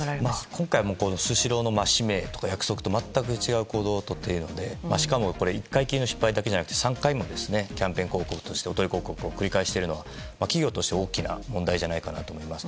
今回はスシローの使命と説明と全く違うことをしていますししかも１回きりの失敗だけじゃなくて、３回もキャンペーン広告としておとり広告を繰り返しているのは企業として大きな問題だと思います。